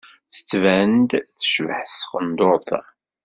Tettban-d tecbeḥ s tqendurt-a.